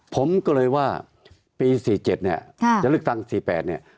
ผมก็เลยว่าปี๔๗เนี่ยจะเลือกตั้ง๔๘เนี่ย